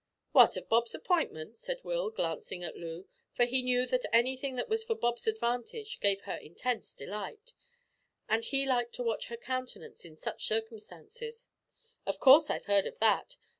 "What of Bob's appointment?" said Will, glancing at Loo; for he knew that anything that was for Bob's advantage gave her intense delight, and he liked to watch her countenance in such circumstances "of course I've heard of that.